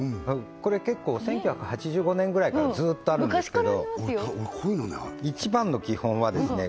これ結構１９８５年ぐらいからずっとあるんですけど昔からありますよ一番の基本はですね